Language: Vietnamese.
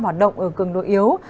hoạt động ở cường độ yếu